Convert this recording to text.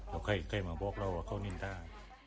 เดี๋ยวใครใครมาบอกเราว่าเข้านี่ได้